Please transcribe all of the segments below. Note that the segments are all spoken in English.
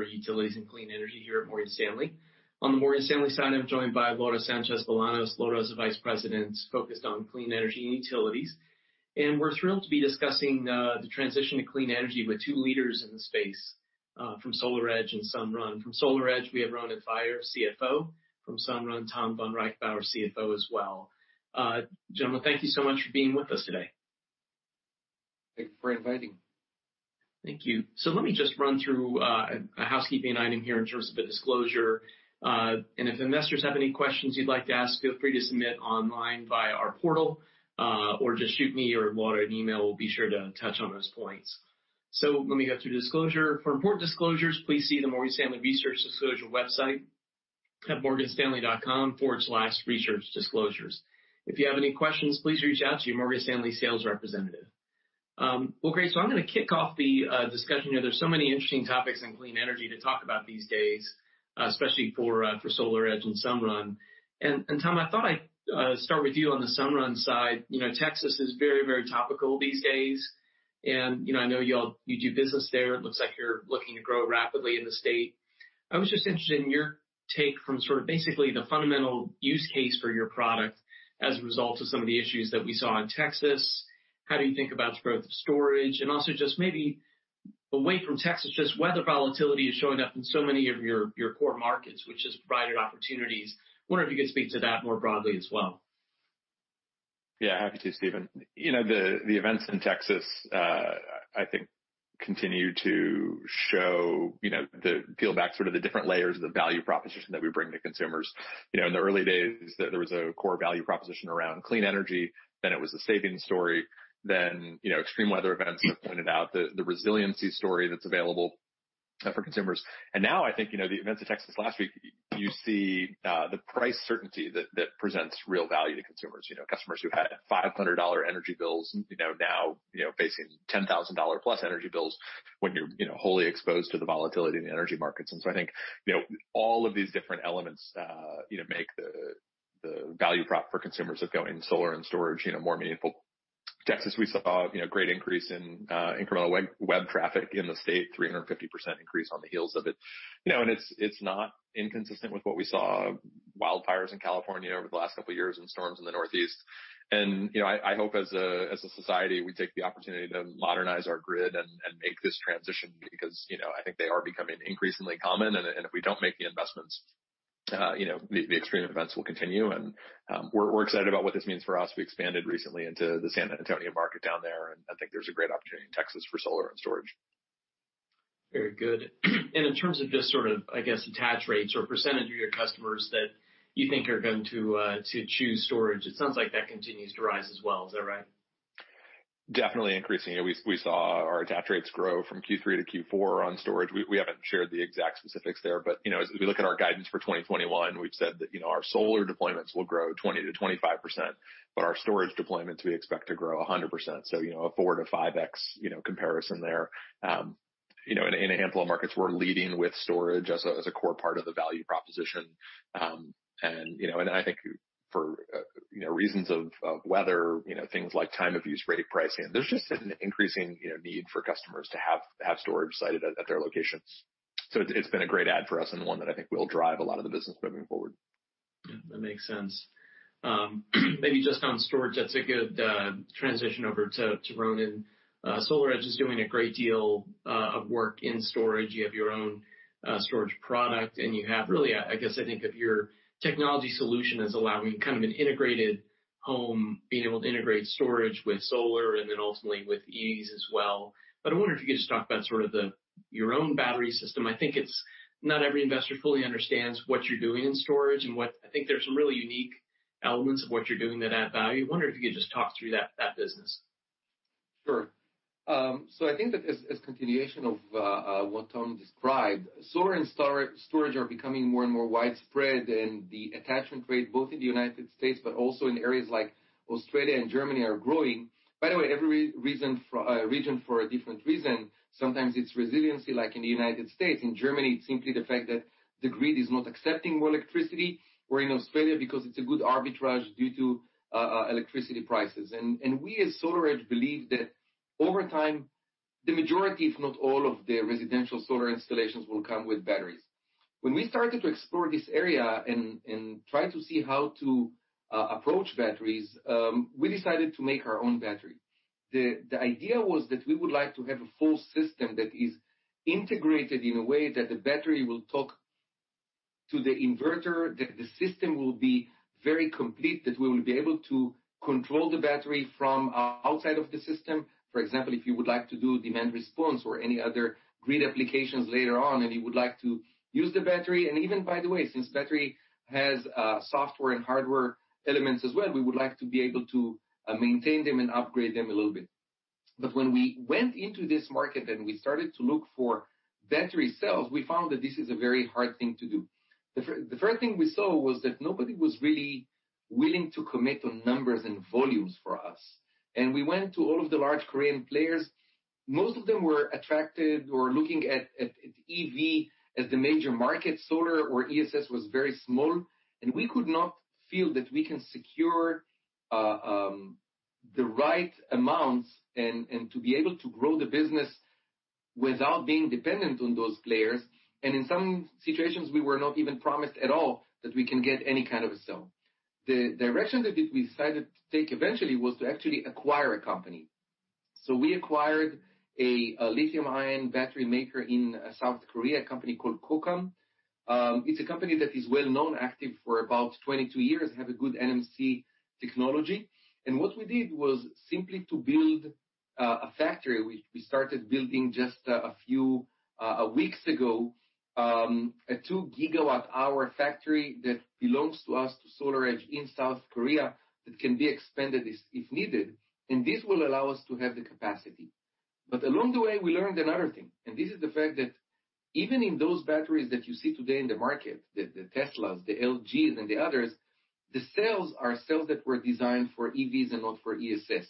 Covering utilities and clean energy here at Morgan Stanley. On the Morgan Stanley side, I'm joined by Lourdes Sanchez-Bolanos. Lourdes is a Vice President focused on clean energy and utilities. We're thrilled to be discussing the transition to clean energy with two leaders in the space from SolarEdge and Sunrun. From SolarEdge, we have Ronen Faier, CFO. From Sunrun, Tom vonReichbauer, CFO as well. Gentlemen, thank you so much for being with us today. Thank you for inviting me. Thank you, so let me just run through a housekeeping item here in terms of a disclosure, and if investors have any questions you'd like to ask, feel free to submit online via our portal or just shoot me or Lourdes an email. We'll be sure to touch on those points, so let me go through disclosure. For important disclosures, please see the Morgan Stanley Research Disclosure website at morganstanley.com/researchdisclosures. If you have any questions, please reach out to your Morgan Stanley sales representative. Well, great, so I'm going to kick off the discussion here. There's so many interesting topics in clean energy to talk about these days, especially for SolarEdge and Sunrun, and Tom, I thought I'd start with you on the Sunrun side. Texas is very, very topical these days, and I know you do business there. It looks like you're looking to grow rapidly in the state. I was just interested in your take from sort of basically the fundamental use case for your product as a result of some of the issues that we saw in Texas. How do you think about the growth of storage? And also just maybe away from Texas, just weather volatility is showing up in so many of your core markets, which has provided opportunities. I wonder if you could speak to that more broadly as well. Yeah, happy to, Stephen. The events in Texas, I think, continue to show the full breadth sort of the different layers of the value proposition that we bring to consumers. In the early days, there was a core value proposition around clean energy. Then it was the savings story. Then extreme weather events have pointed out the resiliency story that's available for consumers. And now, I think the events of Texas last week, you see the price certainty that presents real value to consumers. Customers who had $500 energy bills now facing $10,000-plus energy bills when you're wholly exposed to the volatility in the energy markets. And so I think all of these different elements make the value prop for consumers that go into solar and storage more meaningful. Texas, we saw a great increase in incremental web traffic in the state, a 350% increase on the heels of it. And it's not inconsistent with what we saw: wildfires in California over the last couple of years and storms in the Northeast. And I hope as a society, we take the opportunity to modernize our grid and make this transition because I think they are becoming increasingly common. And if we don't make the investments, the extreme events will continue. And we're excited about what this means for us. We expanded recently into the San Antonio market down there. And I think there's a great opportunity in Texas for solar and storage. Very good. And in terms of just sort of, I guess, attach rates or percentage of your customers that you think are going to choose storage, it sounds like that continues to rise as well. Is that right? Definitely increasing. We saw our attach rates grow from Q3 to Q4 on storage. We haven't shared the exact specifics there. But as we look at our guidance for 2021, we've said that our solar deployments will grow 20%-25%, but our storage deployments, we expect to grow 100%. So a 4-5X comparison there. In a handful of markets, we're leading with storage as a core part of the value proposition. And I think for reasons of weather, things like time of use rate pricing, there's just an increasing need for customers to have storage cited at their locations. So it's been a great add for us and one that I think will drive a lot of the business moving forward. Yeah, that makes sense. Maybe just on storage, that's a good transition over to Ronen. SolarEdge is doing a great deal of work in storage. You have your own storage product. And you have really, I guess, I think of your technology solution as allowing kind of an integrated home, being able to integrate storage with solar and then ultimately with EVs as well. But I wonder if you could just talk about sort of your own battery system. I think it's not every investor fully understands what you're doing in storage and what I think there's some really unique elements of what you're doing that add value. I wonder if you could just talk through that business. Sure. So I think that as a continuation of what Tom described, solar and storage are becoming more and more widespread. And the attachment rate, both in the United States, but also in areas like Australia and Germany, are growing. By the way, every region for a different reason. Sometimes it's resiliency, like in the United States. In Germany, it's simply the fact that the grid is not accepting more electricity. Or in Australia, because it's a good arbitrage due to electricity prices. And we as SolarEdge believe that over time, the majority, if not all, of the residential solar installations will come with batteries. When we started to explore this area and try to see how to approach batteries, we decided to make our own battery. The idea was that we would like to have a full system that is integrated in a way that the battery will talk to the inverter, that the system will be very complete, that we will be able to control the battery from outside of the system. For example, if you would like to do demand response or any other grid applications later on and you would like to use the battery, and even, by the way, since battery has software and hardware elements as well, we would like to be able to maintain them and upgrade them a little bit, but when we went into this market and we started to look for battery cells, we found that this is a very hard thing to do. The first thing we saw was that nobody was really willing to commit on numbers and volumes for us. We went to all of the large Korean players. Most of them were attracted or looking at EV as the major market. Solar or ESS was very small. And we could not feel that we can secure the right amounts and to be able to grow the business without being dependent on those players. And in some situations, we were not even promised at all that we can get any kind of a cell. The direction that we decided to take eventually was to actually acquire a company. So we acquired a lithium-ion battery maker in South Korea, a company called Kokam. It's a company that is well known, active for about 22 years, has a good NMC technology. And what we did was simply to build a factory. We started building just a few weeks ago, a 2-gigawatt-hour factory that belongs to us, to SolarEdge in South Korea, that can be expanded if needed, and this will allow us to have the capacity, but along the way, we learned another thing, and this is the fact that even in those batteries that you see today in the market, the Teslas, the LGs, and the others, the cells are cells that were designed for EVs and not for ESS,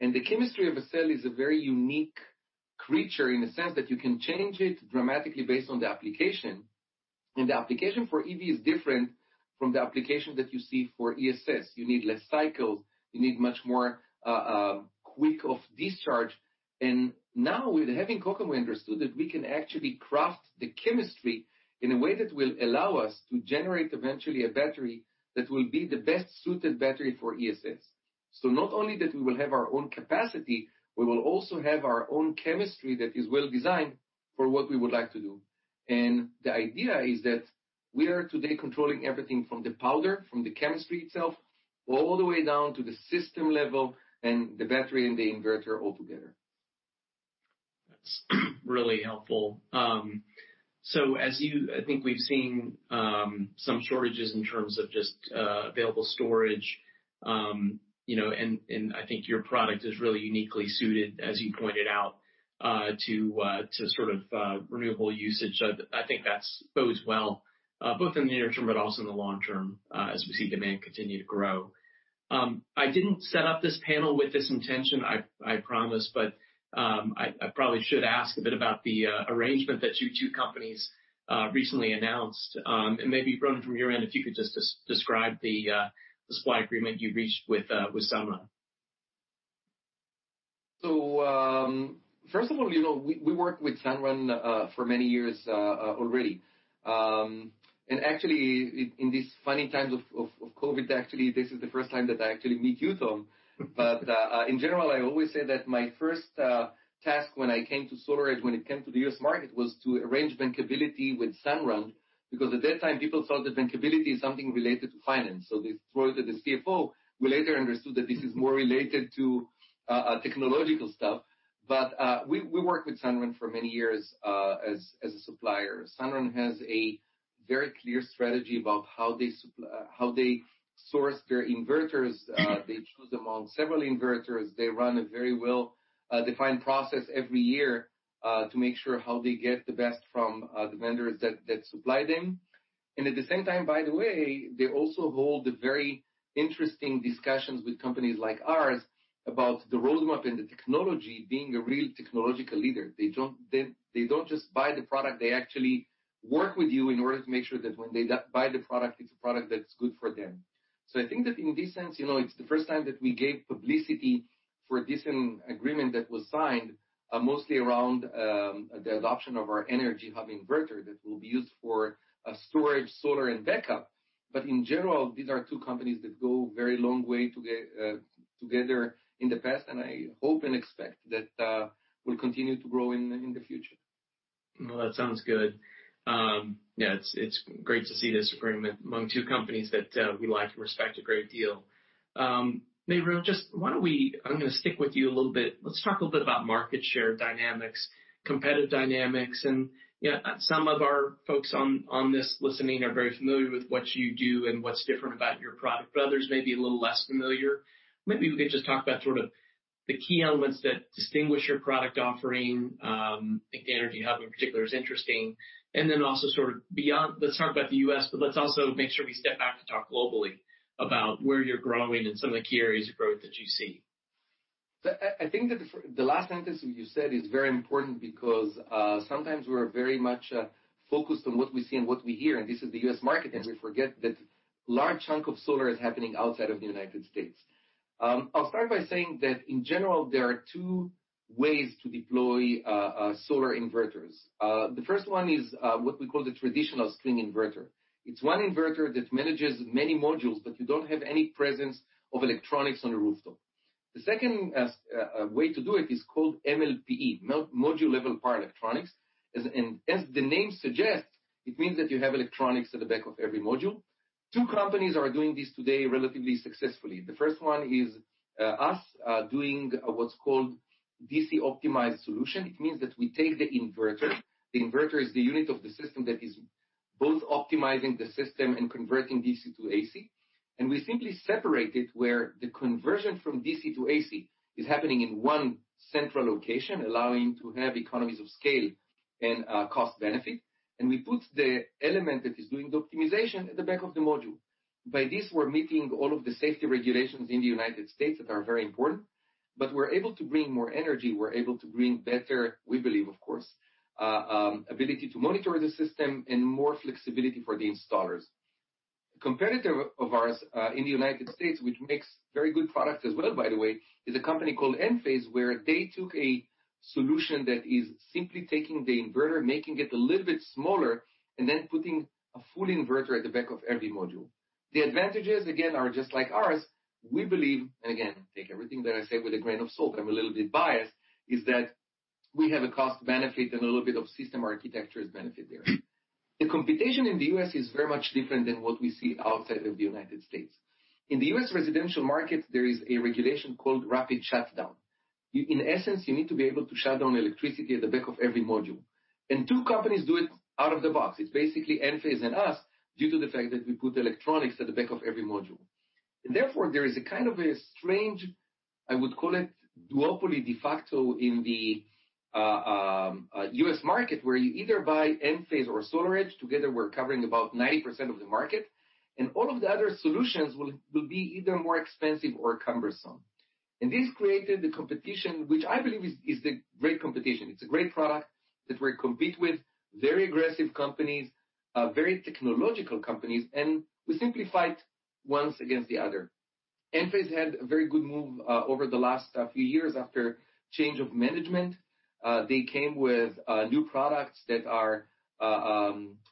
and the chemistry of a cell is a very unique creature in the sense that you can change it dramatically based on the application, and the application for EV is different from the application that you see for ESS. You need less cycles. You need much quicker discharge. And now, with having Kokam, we understood that we can actually craft the chemistry in a way that will allow us to generate eventually a battery that will be the best suited battery for ESS. So not only that we will have our own capacity, we will also have our own chemistry that is well designed for what we would like to do. And the idea is that we are today controlling everything from the powder, from the chemistry itself, all the way down to the system level and the battery and the inverter altogether. That's really helpful, so as you, I think we've seen some shortages in terms of just available storage. And I think your product is really uniquely suited, as you pointed out, to sort of renewable usage. I think that bodes well, both in the near term but also in the long term as we see demand continue to grow. I didn't set up this panel with this intention, I promise, but I probably should ask a bit about the arrangement that you two companies recently announced, and maybe, Ronen, from your end, if you could just describe the supply agreement you reached with Sunrun. So first of all, we worked with Sunrun for many years already. And actually, in these funny times of COVID, actually, this is the first time that I actually meet you, Tom. But in general, I always say that my first task when I came to SolarEdge, when it came to the U.S. market, was to arrange bankability with Sunrun because at that time, people thought that bankability is something related to finance. So they thought that the CFO, we later understood that this is more related to technological stuff. But we worked with Sunrun for many years as a supplier. Sunrun has a very clear strategy about how they source their inverters. They choose among several inverters. They run a very well-defined process every year to make sure how they get the best from the vendors that supply them. At the same time, by the way, they also hold very interesting discussions with companies like ours about the roadmap and the technology being a real technological leader. They don't just buy the product. They actually work with you in order to make sure that when they buy the product, it's a product that's good for them. So I think that in this sense, it's the first time that we gave publicity for a decent agreement that was signed mostly around the adoption of our Energy Hub inverter that will be used for storage, solar, and backup. But in general, these are two companies that go a very long way together in the past, and I hope and expect that will continue to grow in the future. Well, that sounds good. Yeah, it's great to see this agreement among two companies that we like and respect a great deal. Maybe just why don't we. I'm going to stick with you a little bit. Let's talk a little bit about market share dynamics, competitive dynamics. And some of our folks on this listening are very familiar with what you do and what's different about your product. But others may be a little less familiar. Maybe we could just talk about sort of the key elements that distinguish your product offering, like the Energy Hub in particular is interesting. And then also sort of beyond, let's talk about the U.S., but let's also make sure we step back to talk globally about where you're growing and some of the key areas of growth that you see. I think that the last sentence you said is very important because sometimes we're very much focused on what we see and what we hear, and this is the U.S. market, and we forget that a large chunk of solar is happening outside of the United States. I'll start by saying that in general, there are two ways to deploy solar inverters. The first one is what we call the traditional string inverter. It's one inverter that manages many modules, but you don't have any presence of electronics on the rooftop. The second way to do it is called MLPE, module-level power electronics, and as the name suggests, it means that you have electronics at the back of every module. Two companies are doing this today relatively successfully. The first one is us doing what's called DC optimized solution. It means that we take the inverter. The inverter is the unit of the system that is both optimizing the system and converting DC to AC, and we simply separate it where the conversion from DC to AC is happening in one central location, allowing to have economies of scale and cost benefit, and we put the element that is doing the optimization at the back of the module. By this, we're meeting all of the safety regulations in the United States that are very important, but we're able to bring more energy. We're able to bring better, we believe, of course, ability to monitor the system and more flexibility for the installers. A competitor of ours in the United States, which makes very good product as well, by the way, is a company called Enphase, where they took a solution that is simply taking the inverter, making it a little bit smaller, and then putting a full inverter at the back of every module. The advantages, again, are just like ours. We believe, and again, take everything that I say with a grain of salt. I'm a little bit biased, is that we have a cost benefit and a little bit of system architecture benefit there. The competition in the US is very much different than what we see outside of the United States. In the US residential market, there is a regulation called rapid shutdown. In essence, you need to be able to shut down electricity at the back of every module. And two companies do it out of the box. It's basically Enphase and us due to the fact that we put electronics at the back of every module, and therefore there is a kind of a strange, I would call it duopoly de facto in the U.S. market, where you either buy Enphase or SolarEdge. Together, we're covering about 90% of the market, and all of the other solutions will be either more expensive or cumbersome, and this created the competition, which I believe is the great competition. It's a great product that we're competing with, very aggressive companies, very technological companies, and we simply fight one against the other. Enphase had a very good move over the last few years after change of management. They came with new products that are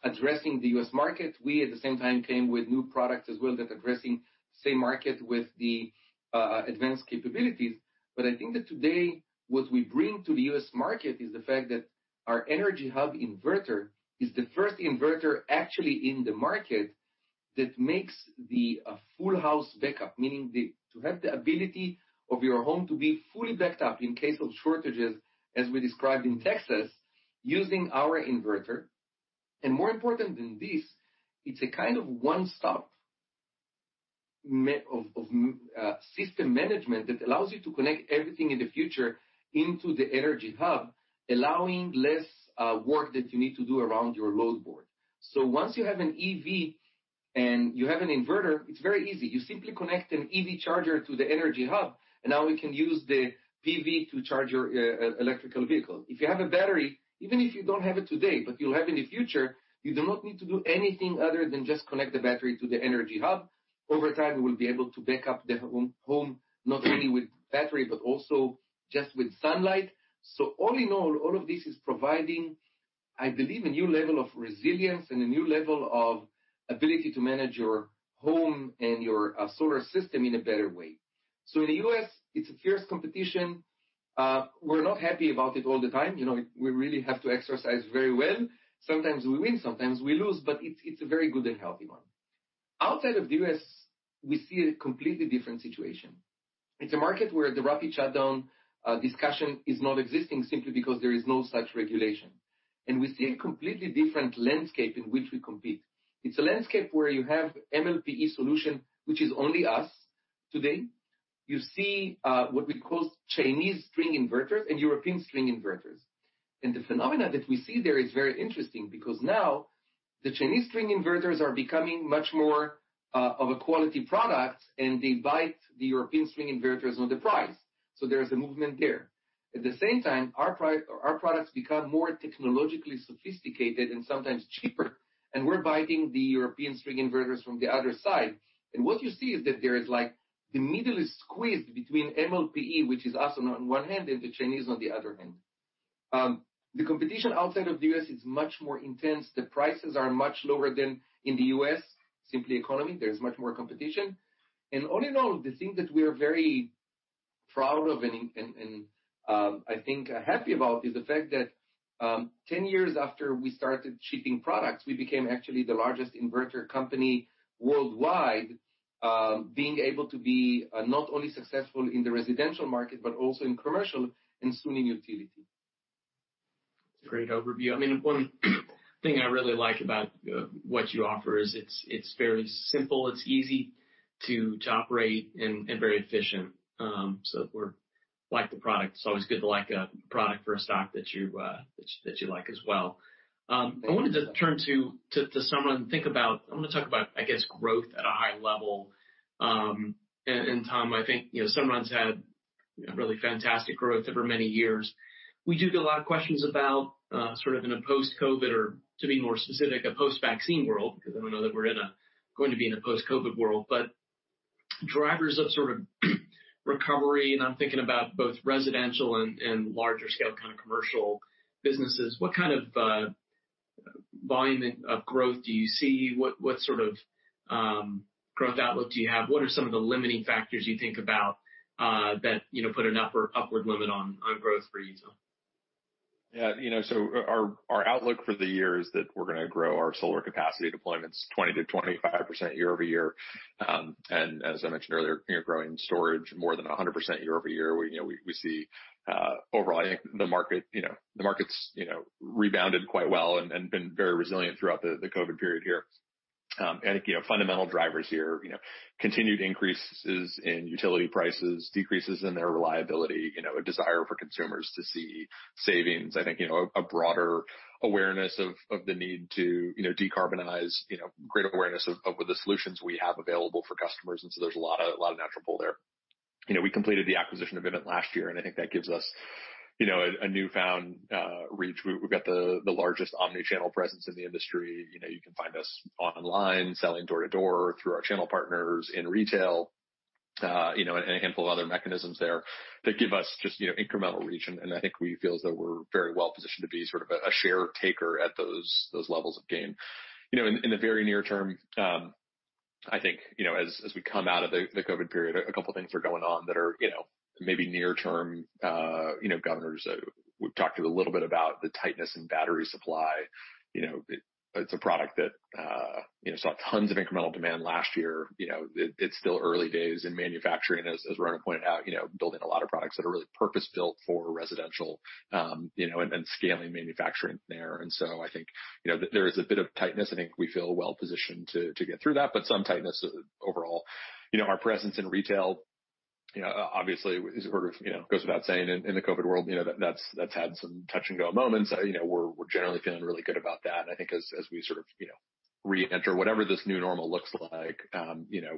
addressing the U.S. market. We, at the same time, came with new products as well that are addressing the same market with the advanced capabilities. But I think that today, what we bring to the U.S. market is the fact that our Energy Hub inverter is the first inverter actually in the market that makes the full house backup, meaning to have the ability of your home to be fully backed up in case of shortages, as we described in Texas, using our inverter. And more important than this, it's a kind of one-stop system management that allows you to connect everything in the future into the Energy Hub, allowing less work that you need to do around your load board. So once you have an EV and you have an inverter, it's very easy. You simply connect an EV charger to the Energy Hub. And now we can use the PV to charge your electric vehicle. If you have a battery, even if you don't have it today, but you'll have in the future, you do not need to do anything other than just connect the battery to the energy hub. Over time, we will be able to back up the home not only with battery, but also just with sunlight. So all in all, all of this is providing, I believe, a new level of resilience and a new level of ability to manage your home and your solar system in a better way. So in the U.S., it's a fierce competition. We're not happy about it all the time. We really have to execute very well. Sometimes we win, sometimes we lose, but it's a very good and healthy one. Outside of the U.S., we see a completely different situation. It's a market where the rapid shutdown discussion is not existing simply because there is no such regulation. And we see a completely different landscape in which we compete. It's a landscape where you have MLPE solution, which is only us today. You see what we call Chinese string inverters and European string inverters. And the phenomena that we see there is very interesting because now the Chinese string inverters are becoming much more of a quality product, and they bite the European string inverters on the price. So there is a movement there. At the same time, our products become more technologically sophisticated and sometimes cheaper. And we're biting the European string inverters from the other side. And what you see is that there is like the middle is squeezed between MLPE, which is us on one hand, and the Chinese on the other hand. The competition outside of the U.S. is much more intense. The prices are much lower than in the U.S., simple economics. There is much more competition, and all in all, the thing that we are very proud of and I think happy about is the fact that 10 years after we started shipping products, we became actually the largest inverter company worldwide, being able to be not only successful in the residential market, but also in commercial and in utility. It's a great overview. I mean, one thing I really like about what you offer is it's very simple. It's easy to operate and very efficient. So we like the product. It's always good to like a product for a stock that you like as well. I wanted to turn to Sunrun and talk about, I guess, growth at a high level. Tom, I think Sunrun's had really fantastic growth over many years. We do get a lot of questions about sort of in a post-COVID or, to be more specific, a post-vaccine world because I know that we're going to be in a post-COVID world. But drivers of sort of recovery, and I'm thinking about both residential and larger scale kind of commercial businesses, what kind of volume of growth do you see? What sort of growth outlook do you have? What are some of the limiting factors you think about that put an upward limit on growth for you? Yeah. So our outlook for the year is that we're going to grow our solar capacity deployments 20%-25% year over year. And as I mentioned earlier, growing storage more than 100% year over year. We see overall, I think the market's rebounded quite well and been very resilient throughout the COVID period here. I think fundamental drivers here, continued increases in utility prices, decreases in their reliability, a desire for consumers to see savings. I think a broader awareness of the need to decarbonize, great awareness of the solutions we have available for customers. And so there's a lot of natural pull there. We completed the acquisition of Vivint last year, and I think that gives us a newfound reach. We've got the largest omnichannel presence in the industry. You can find us online, selling door to door through our channel partners in retail and a handful of other mechanisms there that give us just incremental reach. And I think we feel as though we're very well positioned to be sort of a share taker at those levels of gain. In the very near term, I think as we come out of the COVID period, a couple of things are going on that are maybe near-term governors. We've talked a little bit about the tightness in battery supply. It's a product that saw tons of incremental demand last year. It's still early days in manufacturing, as Ronen pointed out, building a lot of products that are really purpose-built for residential and scaling manufacturing there. And so I think there is a bit of tightness. I think we feel well positioned to get through that, but some tightness overall. Our presence in retail, obviously, goes without saying in the COVID world, that's had some touch-and-go moments. We're generally feeling really good about that. And I think as we sort of re-enter whatever this new normal looks like,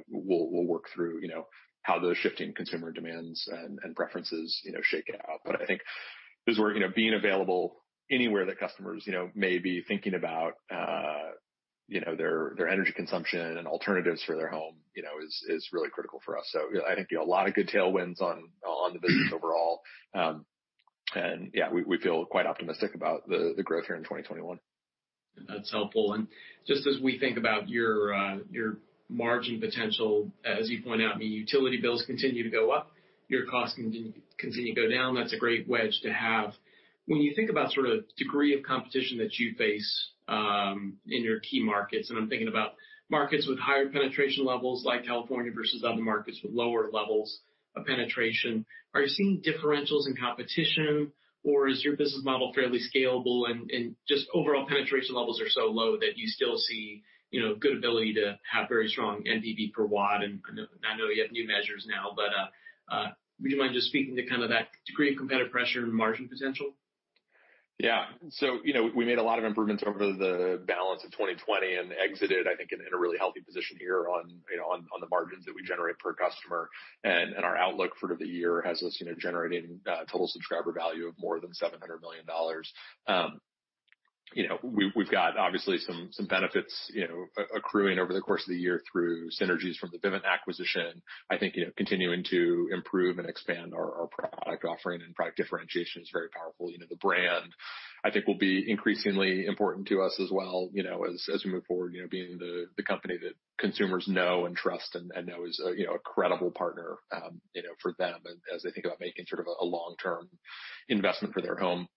we'll work through how the shifting consumer demands and preferences shake out. But I think as we're being available anywhere that customers may be thinking about their energy consumption and alternatives for their home is really critical for us. So I think a lot of good tailwinds on the business overall. And yeah, we feel quite optimistic about the growth here in 2021. That's helpful. And just as we think about your margin potential, as you point out, I mean, utility bills continue to go up, your costs continue to go down. That's a great wedge to have. When you think about sort of degree of competition that you face in your key markets, and I'm thinking about markets with higher penetration levels like California versus other markets with lower levels of penetration, are you seeing differentials in competition, or is your business model fairly scalable and just overall penetration levels are so low that you still see good ability to have very strong NPV per watt? And I know you have new measures now, but would you mind just speaking to kind of that degree of competitive pressure and margin potential? Yeah. So we made a lot of improvements over the balance of 2020 and exited, I think, in a really healthy position here on the margins that we generate per customer. And our outlook for the year has us generating total subscriber value of more than $700 million. We've got obviously some benefits accruing over the course of the year through synergies from the Vivint acquisition. I think continuing to improve and expand our product offering and product differentiation is very powerful. The brand, I think, will be increasingly important to us as well as we move forward, being the company that consumers know and trust and know is a credible partner for them as they think about making sort of a long-term investment for their home.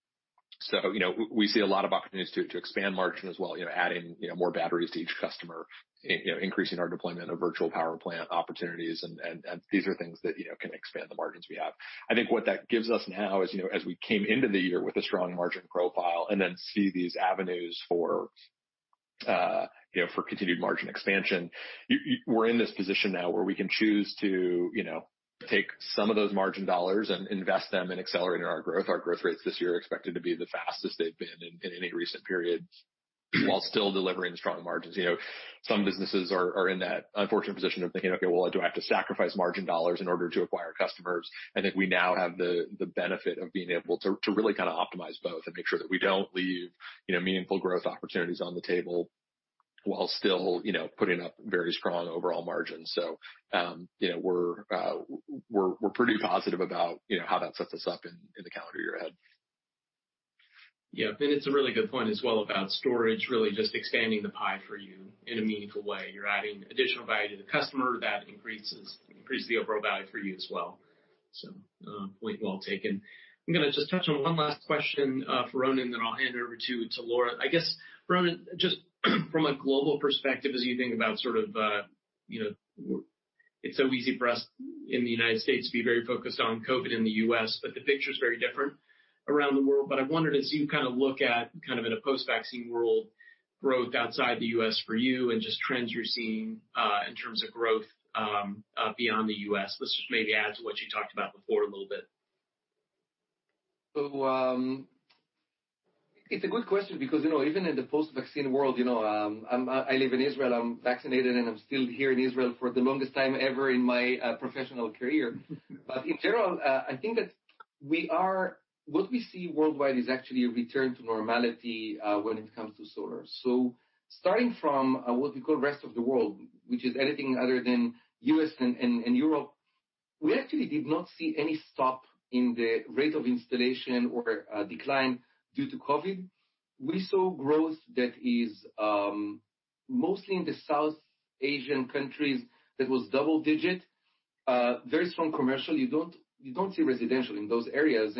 So we see a lot of opportunities to expand margin as well, adding more batteries to each customer, increasing our deployment of virtual power plant opportunities. And these are things that can expand the margins we have. I think what that gives us now is, as we came into the year with a strong margin profile and then see these avenues for continued margin expansion, we're in this position now where we can choose to take some of those margin dollars and invest them in accelerating our growth. Our growth rates this year are expected to be the fastest they've been in any recent period while still delivering strong margins. Some businesses are in that unfortunate position of thinking, "Okay, well, do I have to sacrifice margin dollars in order to acquire customers?" I think we now have the benefit of being able to really kind of optimize both and make sure that we don't leave meaningful growth opportunities on the table while still putting up very strong overall margins. So we're pretty positive about how that sets us up in the calendar year ahead. Yeah. And it's a really good point as well about storage really just expanding the pie for you in a meaningful way. You're adding additional value to the customer. That increases the overall value for you as well. So point well taken. I'm going to just touch on one last question for Ronen, then I'll hand it over to Lourdes. I guess, Ronen, just from a global perspective, as you think about sort of it's so easy for us in the United States to be very focused on COVID in the US, but the picture is very different around the world. But I wondered as you kind of look at kind of in a post-vaccine world, growth outside the US for you and just trends you're seeing in terms of growth beyond the US. Let's just maybe add to what you talked about before a little bit. It's a good question because even in the post-vaccine world, I live in Israel. I'm vaccinated, and I'm still here in Israel for the longest time ever in my professional career. But in general, I think that what we see worldwide is actually a return to normality when it comes to solar. So starting from what we call rest of the world, which is anything other than U.S. and Europe, we actually did not see any stop in the rate of installation or decline due to COVID. We saw growth that is mostly in the South Asian countries that was double-digit, very strong commercial. You don't see residential in those areas.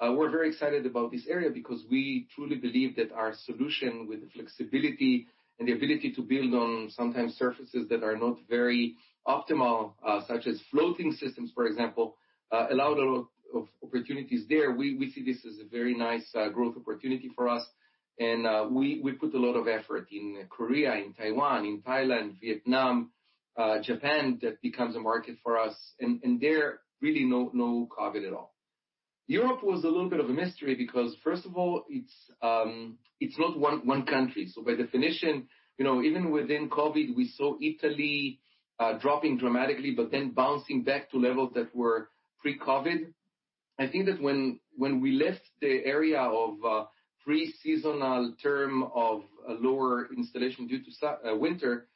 We're very excited about this area because we truly believe that our solution with the flexibility and the ability to build on sometimes surfaces that are not very optimal, such as floating systems, for example, allowed a lot of opportunities there. We see this as a very nice growth opportunity for us. We put a lot of effort in Korea, in Taiwan, in Thailand, Vietnam, Japan that becomes a market for us. There really no COVID at all. Europe was a little bit of a mystery because, first of all, it's not one country. So by definition, even within COVID, we saw Italy dropping dramatically, but then bouncing back to levels that were pre-COVID. I think that when we left the area of pre-seasonal term of lower installation due to winter,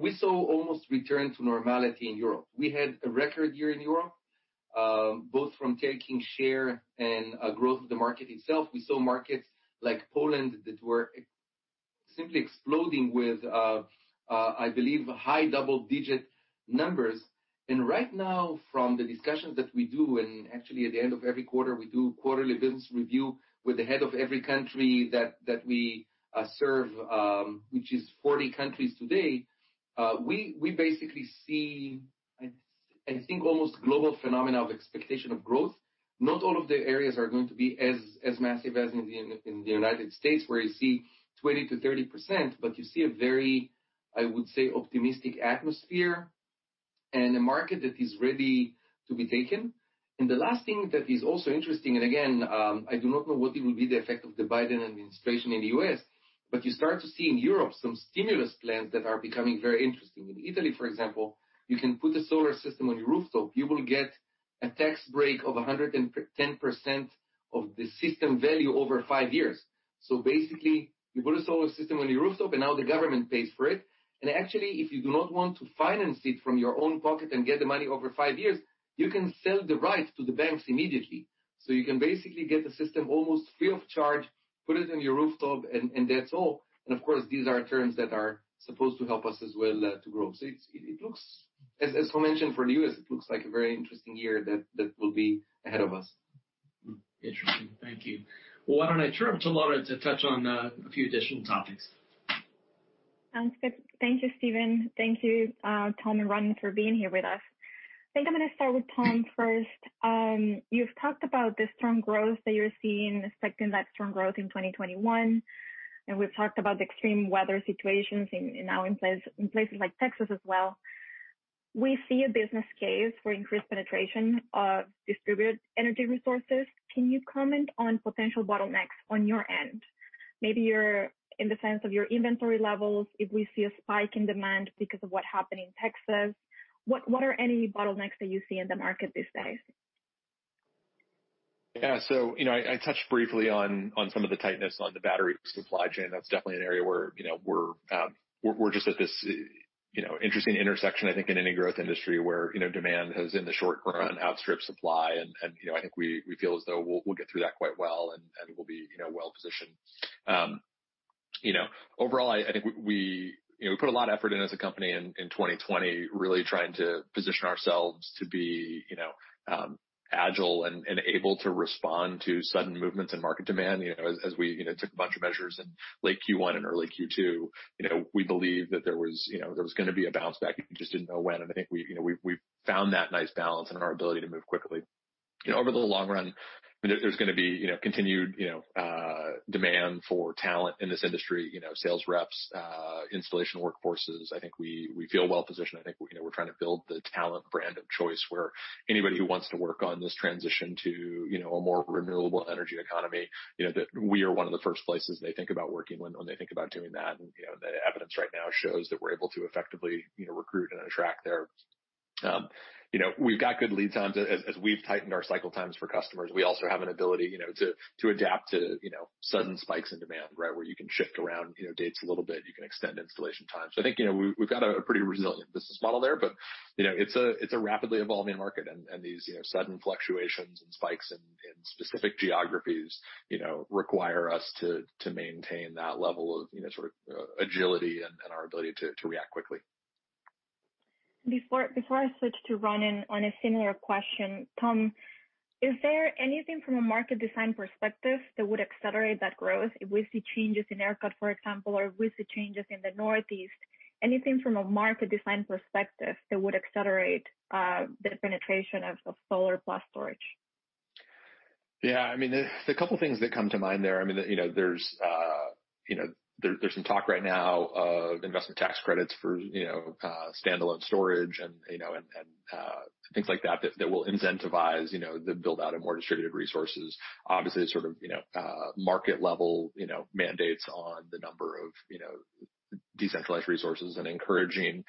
we saw almost return to normality in Europe. We had a record year in Europe, both from taking share and growth of the market itself. We saw markets like Poland that were simply exploding with, I believe, high double-digit numbers, and right now, from the discussions that we do, and actually at the end of every quarter, we do quarterly business review with the head of every country that we serve, which is 40 countries today, we basically see, I think, almost global phenomena of expectation of growth. Not all of the areas are going to be as massive as in the United States where you see 20%-30%, but you see a very, I would say, optimistic atmosphere and a market that is ready to be taken. The last thing that is also interesting, and again, I do not know what it will be the effect of the Biden administration in the U.S., but you start to see in Europe some stimulus plans that are becoming very interesting. In Italy, for example, you can put a solar system on your rooftop. You will get a tax break of 110% of the system value over five years. So basically, you put a solar system on your rooftop, and now the government pays for it. And actually, if you do not want to finance it from your own pocket and get the money over five years, you can sell the right to the banks immediately. So you can basically get the system almost free of charge, put it on your rooftop, and that's all. Of course, these are terms that are supposed to help us as well to grow. It looks, as Tom mentioned, for the U.S., it looks like a very interesting year that will be ahead of us. Interesting. Thank you. Well, why don't I turn it to Lourdes to touch on a few additional topics? Sounds good. Thank you, Stephen. Thank you, Tom and Ronen, for being here with us. I think I'm going to start with Tom first. You've talked about the strong growth that you're seeing, expecting that strong growth in 2021, and we've talked about the extreme weather situations now in places like Texas as well. We see a business case for increased penetration of distributed energy resources. Can you comment on potential bottlenecks on your end? Maybe in the sense of your inventory levels, if we see a spike in demand because of what happened in Texas, what are any bottlenecks that you see in the market these days? Yeah. So I touched briefly on some of the tightness on the battery supply chain. That's definitely an area where we're just at this interesting intersection, I think, in any growth industry where demand has in the short run outstripped supply. And I think we feel as though we'll get through that quite well and we'll be well positioned. Overall, I think we put a lot of effort in as a company in 2020, really trying to position ourselves to be agile and able to respond to sudden movements in market demand. As we took a bunch of measures in late Q1 and early Q2, we believed that there was going to be a bounce back. We just didn't know when. And I think we found that nice balance in our ability to move quickly. Over the long run, there's going to be continued demand for talent in this industry, sales reps, installation workforces. I think we feel well positioned. I think we're trying to build the talent brand of choice where anybody who wants to work on this transition to a more renewable energy economy, that we are one of the first places they think about working when they think about doing that, and the evidence right now shows that we're able to effectively recruit and attract there. We've got good lead times as we've tightened our cycle times for customers. We also have an ability to adapt to sudden spikes in demand, right, where you can shift around dates a little bit. You can extend installation time, so I think we've got a pretty resilient business model there, but it's a rapidly evolving market. These sudden fluctuations and spikes in specific geographies require us to maintain that level of sort of agility and our ability to react quickly. Before I switch to Ronen on a similar question, Tom, is there anything from a market design perspective that would accelerate that growth if we see changes in ERCOT, for example, or if we see changes in the Northeast? Anything from a market design perspective that would accelerate the penetration of solar plus storage? Yeah. I mean, there's a couple of things that come to mind there. I mean, there's some talk right now of investment tax credits for standalone storage and things like that that will incentivize the build-out of more distributed resources. Obviously, sort of market-level mandates on the number of decentralized resources and encouraging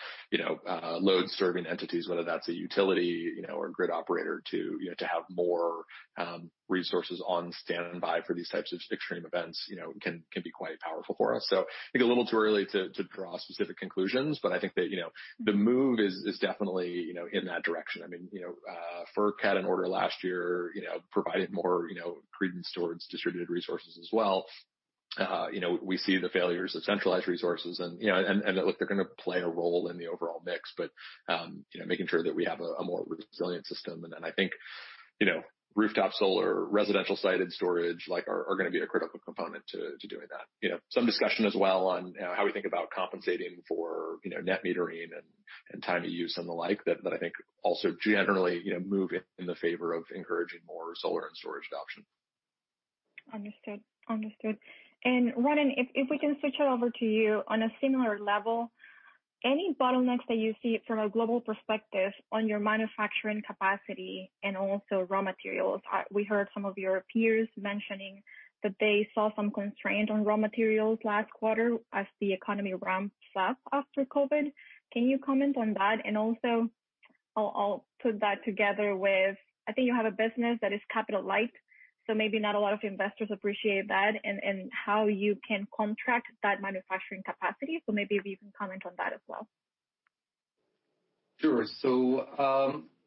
load-serving entities, whether that's a utility or a grid operator, to have more resources on standby for these types of extreme events can be quite powerful for us. So I think a little too early to draw specific conclusions, but I think that the move is definitely in that direction. I mean, FERC had an order last year providing more credence towards distributed resources as well. We see the failures of centralized resources, and they're going to play a role in the overall mix, but making sure that we have a more resilient system. Then I think rooftop solar, residential-sided storage are going to be a critical component to doing that. Some discussion as well on how we think about compensating for net metering and time of use and the like that I think also generally move in the favor of encouraging more solar and storage adoption. Understood. Understood. And Ronen, if we can switch it over to you on a similar level, any bottlenecks that you see from a global perspective on your manufacturing capacity and also raw materials? We heard some of your peers mentioning that they saw some constraints on raw materials last quarter as the economy ramped up after COVID. Can you comment on that? And also, I'll put that together with, I think you have a business that is capital-light, so maybe not a lot of investors appreciate that and how you can contract that manufacturing capacity. So maybe if you can comment on that as well. Sure.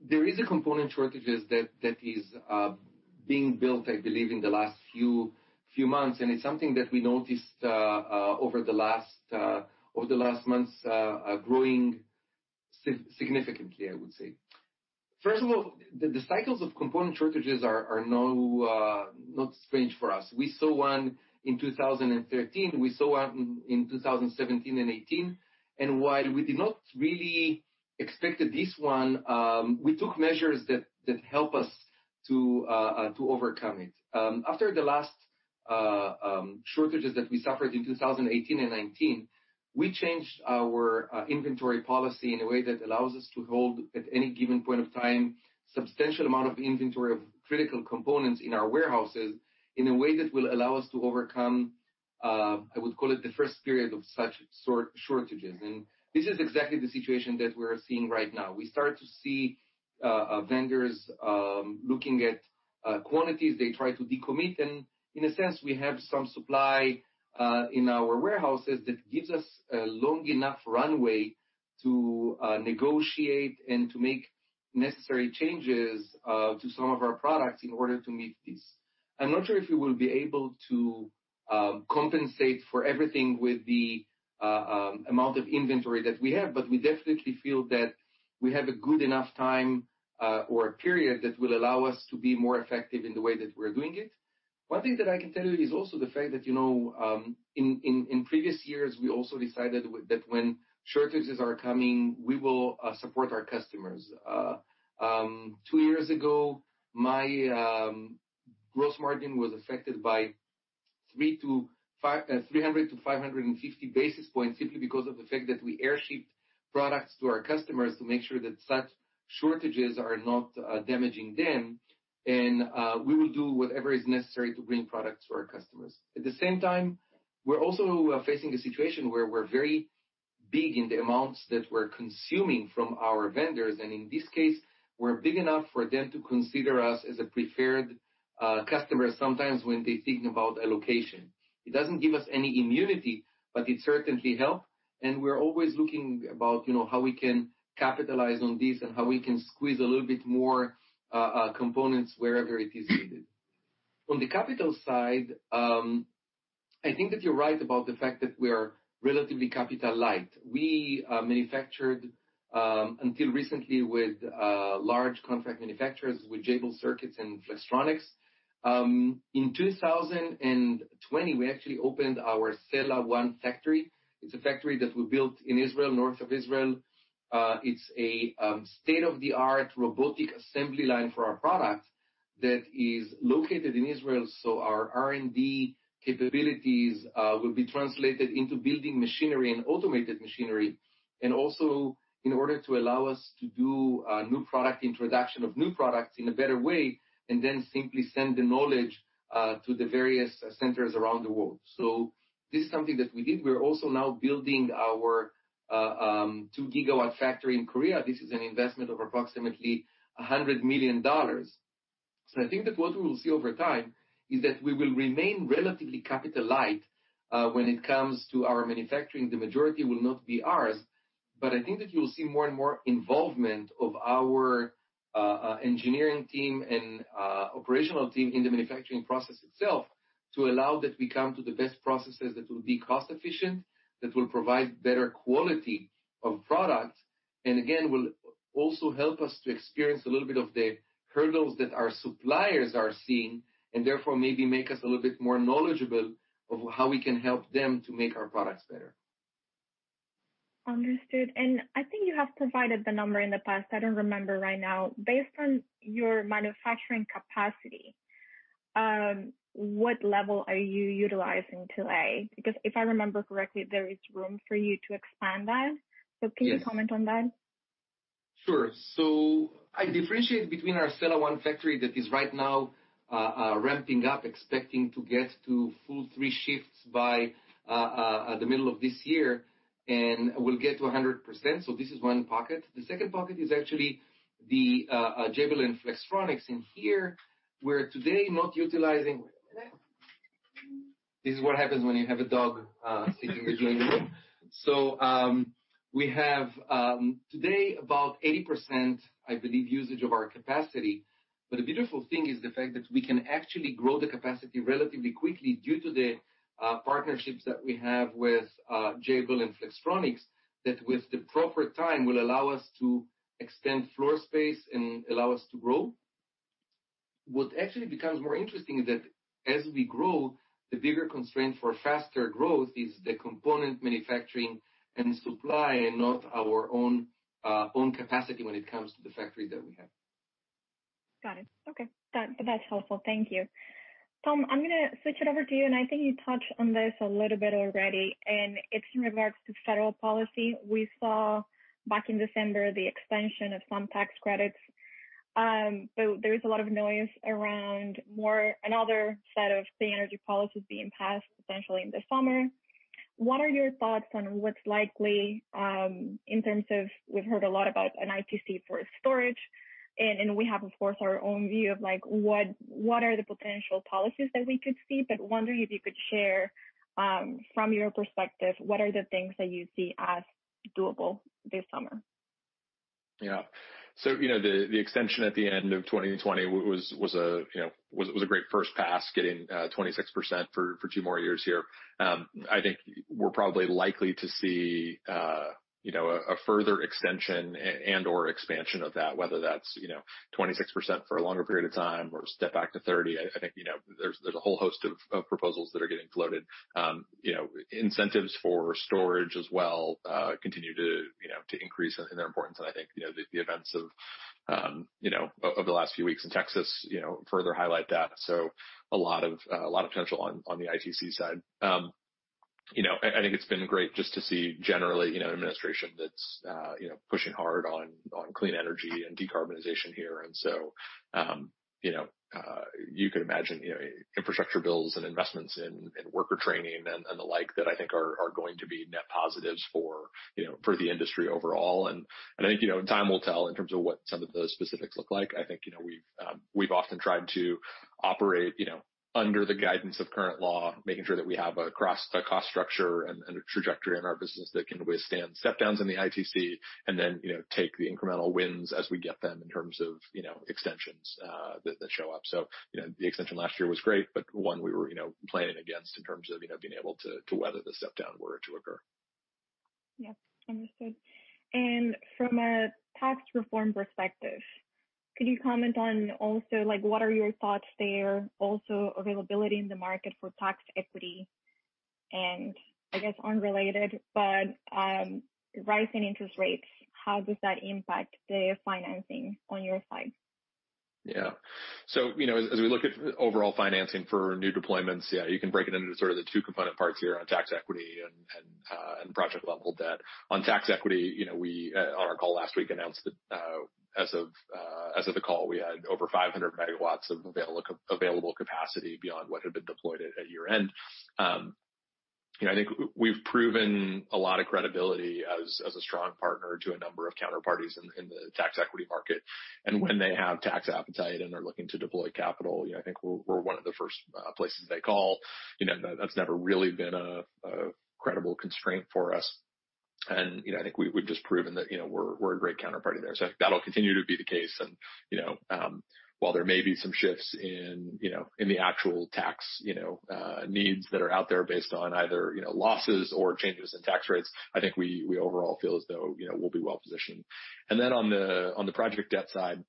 There is a component shortage that is being built, I believe, in the last few months. It's something that we noticed over the last months growing significantly, I would say. First of all, the cycles of component shortages are not strange for us. We saw one in 2013. We saw one in 2017 and 2018. While we did not really expect this one, we took measures that help us to overcome it. After the last shortages that we suffered in 2018 and 2019, we changed our inventory policy in a way that allows us to hold at any given point of time a substantial amount of inventory of critical components in our warehouses in a way that will allow us to overcome, I would call it, the first period of such shortages. This is exactly the situation that we're seeing right now. We start to see vendors looking at quantities. They try to decommit, and in a sense, we have some supply in our warehouses that gives us a long enough runway to negotiate and to make necessary changes to some of our products in order to meet this. I'm not sure if we will be able to compensate for everything with the amount of inventory that we have, but we definitely feel that we have a good enough time or a period that will allow us to be more effective in the way that we're doing it. One thing that I can tell you is also the fact that in previous years, we also decided that when shortages are coming, we will support our customers. Two years ago, my gross margin was affected by 300-550 basis points simply because of the fact that we airshipped products to our customers to make sure that such shortages are not damaging them, and we will do whatever is necessary to bring products to our customers. At the same time, we're also facing a situation where we're very big in the amounts that we're consuming from our vendors, and in this case, we're big enough for them to consider us as a preferred customer sometimes when they think about a location. It doesn't give us any immunity, but it certainly helps, and we're always looking about how we can capitalize on this and how we can squeeze a little bit more components wherever it is needed. On the capital side, I think that you're right about the fact that we are relatively capital-light. We manufactured until recently with large contract manufacturers with Jabil and Flex. In 2020, we actually opened our Sella 1 factory. It's a factory that we built in Israel, north of Israel. It's a state-of-the-art robotic assembly line for our product that is located in Israel. So our R&D capabilities will be translated into building machinery and automated machinery, and also in order to allow us to do new product introduction of new products in a better way and then simply send the knowledge to the various centers around the world. So this is something that we did. We're also now building our 2-gigawatt factory in Korea. This is an investment of approximately $100 million. So I think that what we will see over time is that we will remain relatively capital-light when it comes to our manufacturing. The majority will not be ours. But I think that you will see more and more involvement of our engineering team and operational team in the manufacturing process itself to allow that we come to the best processes that will be cost-efficient, that will provide better quality of product, and again, will also help us to experience a little bit of the hurdles that our suppliers are seeing and therefore maybe make us a little bit more knowledgeable of how we can help them to make our products better. Understood. And I think you have provided the number in the past. I don't remember right now. Based on your manufacturing capacity, what level are you utilizing today? Because if I remember correctly, there is room for you to expand that. So can you comment on that? Sure, so I differentiate between our Sela 1 factory that is right now ramping up, expecting to get to full three shifts by the middle of this year, and we'll get to 100%. So this is one pocket. The second pocket is actually the Jabil and Flex in here, wait a minute. This is what happens when you have a dog sitting with you in the room, so we have today about 80%, I believe, usage of our capacity. But the beautiful thing is the fact that we can actually grow the capacity relatively quickly due to the partnerships that we have with Jabil and Flex that with the proper time will allow us to extend floor space and allow us to grow. What actually becomes more interesting is that as we grow, the bigger constraint for faster growth is the component manufacturing and supply and not our own capacity when it comes to the factory that we have. Got it. Okay. That's helpful. Thank you. Tom, I'm going to switch it over to you, and I think you touched on this a little bit already, and it's in regards to federal policy. We saw back in December the extension of some tax credits, but there is a lot of noise around another set of clean energy policies being passed potentially in the summer. What are your thoughts on what's likely in terms of we've heard a lot about an ITC for storage? And we have, of course, our own view of what are the potential policies that we could see, but wondering if you could share from your perspective, what are the things that you see as doable this summer? Yeah. So the extension at the end of 2020 was a great first pass, getting 26% for two more years here. I think we're probably likely to see a further extension and/or expansion of that, whether that's 26% for a longer period of time or step back to 30%. I think there's a whole host of proposals that are getting floated. Incentives for storage as well continue to increase in their importance, and I think the events of the last few weeks in Texas further highlight that, so a lot of potential on the ITC side. I think it's been great just to see generally an administration that's pushing hard on clean energy and decarbonization here, and so you could imagine infrastructure bills and investments in worker training and the like that I think are going to be net positives for the industry overall. I think time will tell in terms of what some of the specifics look like. I think we've often tried to operate under the guidance of current law, making sure that we have a cost structure and a trajectory in our business that can withstand stepdowns in the ITC and then take the incremental wins as we get them in terms of extensions that show up. The extension last year was great, but one we were planning against in terms of being able to weather the stepdown were it to occur. Yep. Understood. And from a tax reform perspective, could you comment on also what are your thoughts there, also availability in the market for tax equity? And I guess unrelated, but rising interest rates, how does that impact the financing on your side? Yeah. So as we look at overall financing for new deployments, yeah, you can break it into sort of the two component parts here on tax equity and project-level debt. On tax equity, we, on our call last week, announced that as of the call, we had over 500 megawatts of available capacity beyond what had been deployed at year-end. I think we've proven a lot of credibility as a strong partner to a number of counterparties in the tax equity market, and when they have tax appetite and are looking to deploy capital, I think we're one of the first places they call. That's never really been a credible constraint for us, and I think we've just proven that we're a great counterparty there, so I think that'll continue to be the case. And while there may be some shifts in the actual tax needs that are out there based on either losses or changes in tax rates, I think we overall feel as though we'll be well-positioned. And then on the project debt side,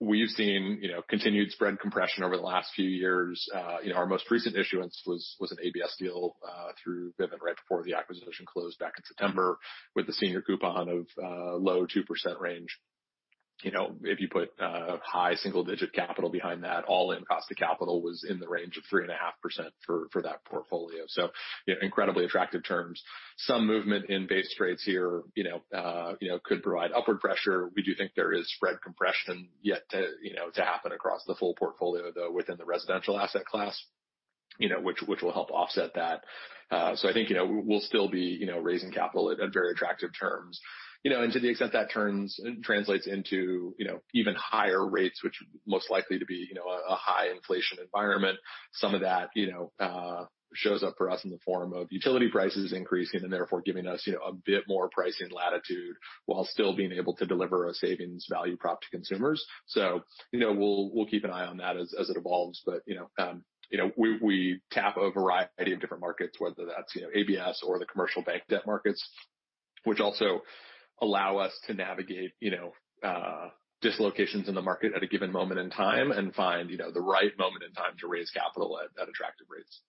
we've seen continued spread compression over the last few years. Our most recent issuance was an ABS deal through Vivint right before the acquisition closed back in September with a senior coupon of low-2% range. If you put high single-digit capital behind that, all-in cost of capital was in the range of 3.5% for that portfolio. So incredibly attractive terms. Some movement in base rates here could provide upward pressure. We do think there is spread compression yet to happen across the full portfolio, though, within the residential asset class, which will help offset that. So I think we'll still be raising capital at very attractive terms. To the extent that translates into even higher rates, which most likely to be a high inflation environment, some of that shows up for us in the form of utility prices increasing and therefore giving us a bit more pricing latitude while still being able to deliver a savings value prop to consumers. We'll keep an eye on that as it evolves. We tap a variety of different markets, whether that's ABS or the commercial bank debt markets, which also allow us to navigate dislocations in the market at a given moment in time and find the right moment in time to raise capital at attractive rates.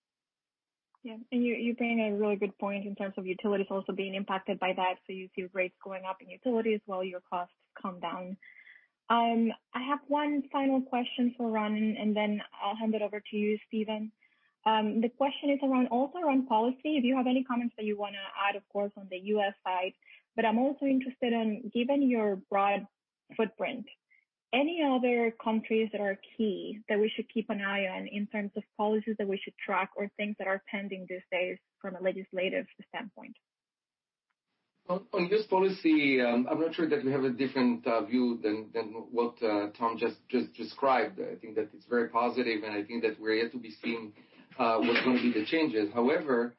Yeah. And you're bringing a really good point in terms of utilities also being impacted by that. So you see rates going up in utilities while your costs come down. I have one final question for Ron, and then I'll hand it over to you, Stephen. The question is also around policy. If you have any comments that you want to add, of course, on the U.S. side. But I'm also interested in, given your broad footprint, any other countries that are key that we should keep an eye on in terms of policies that we should track or things that are pending these days from a legislative standpoint? On this policy, I'm not sure that we have a different view than what Tom just described. I think that it's very positive, and I think that we're yet to be seeing what's going to be the changes. However,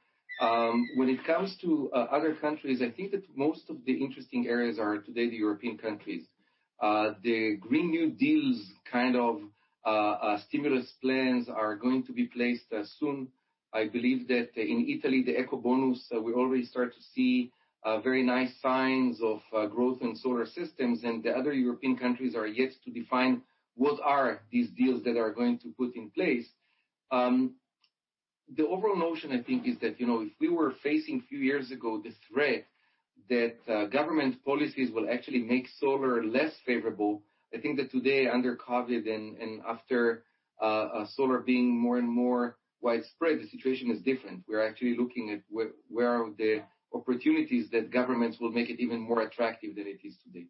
when it comes to other countries, I think that most of the interesting areas are today the European countries. The Green New Deal's kind of stimulus plans are going to be placed soon. I believe that in Italy, the Ecobonus, we already start to see very nice signs of growth in solar systems, and the other European countries are yet to define what are these deals that are going to put in place. The overall notion, I think, is that if we were facing a few years ago the threat that government policies will actually make solar less favorable, I think that today under COVID and after solar being more and more widespread, the situation is different. We're actually looking at where are the opportunities that governments will make it even more attractive than it is today.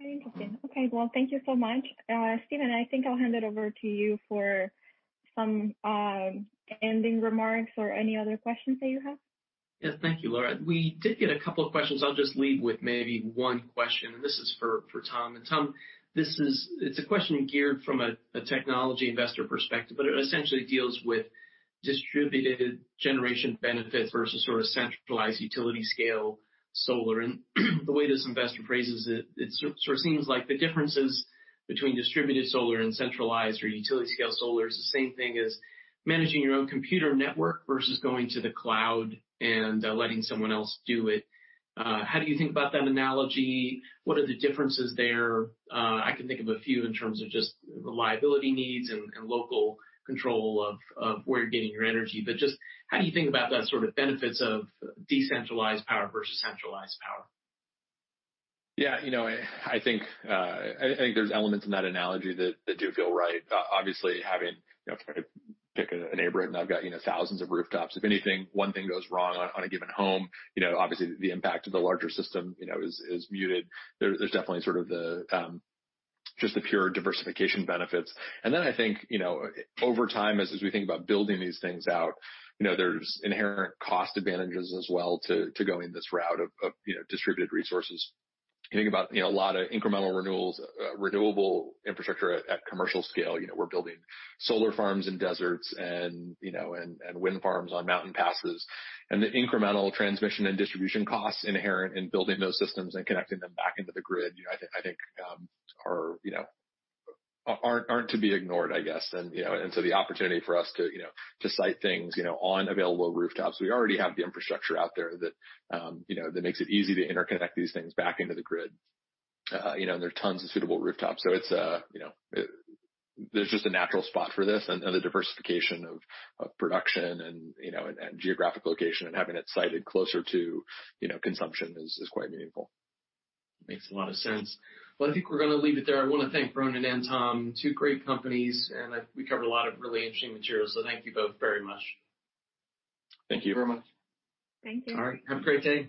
Very interesting. Okay. Well, thank you so much. Stephen, I think I'll hand it over to you for some ending remarks or any other questions that you have. Yes. Thank you, Lourdes. We did get a couple of questions. I'll just leave with maybe one question. And this is for Tom. And Tom, it's a question geared from a technology investor perspective, but it essentially deals with distributed generation benefits versus sort of centralized utility-scale solar. And the way this investor phrases it, it sort of seems like the differences between distributed solar and centralized or utility-scale solar is the same thing as managing your own computer network versus going to the cloud and letting someone else do it. How do you think about that analogy? What are the differences there? I can think of a few in terms of just reliability needs and local control of where you're getting your energy. But just how do you think about that sort of benefits of decentralized power versus centralized power? Yeah. I think there's elements in that analogy that do feel right. Obviously, having if I pick a neighborhood and I've got thousands of rooftops, if anything, one thing goes wrong on a given home, obviously, the impact of the larger system is muted. There's definitely sort of just the pure diversification benefits, and then I think over time, as we think about building these things out, there's inherent cost advantages as well to going this route of distributed resources. You think about a lot of incremental renewable infrastructure at commercial scale. We're building solar farms in deserts and wind farms on mountain passes, and the incremental transmission and distribution costs inherent in building those systems and connecting them back into the grid, I think, aren't to be ignored, I guess. And so the opportunity for us to site things on available rooftops, we already have the infrastructure out there that makes it easy to interconnect these things back into the grid. And there are tons of suitable rooftops. So there's just a natural spot for this. And the diversification of production and geographic location and having it sited closer to consumption is quite meaningful. Makes a lot of sense. Well, I think we're going to leave it there. I want to thank Ronen and Tom. Two great companies. And we covered a lot of really interesting material. So thank you both very much. Thank you very much. Thank you. All right. Have a great day.